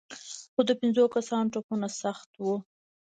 خو د پنځو کسانو ټپونه سخت وو.